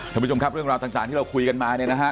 ที่เราคุยกันมาเนี่ยนะค่ะ